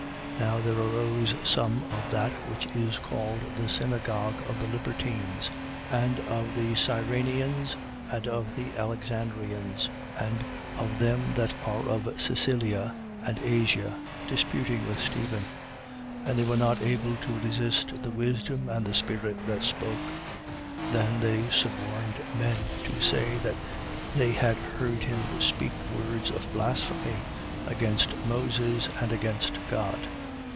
6:9. Now there arose some, of that which is called the synagogue of the Libertines and of the Cyrenians and of the Alexandrians and of them that were of Cilicia and Asia, disputing with Stephen. 6:10. And they were not able to resist the wisdom and the spirit that spoke. 6:11. Then they suborned men to say they had heard him speak words of blasphemy against Moses and against God.